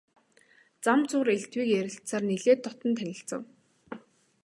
Зам зуур элдвийг ярилцсаар нэлээд дотно танилцав.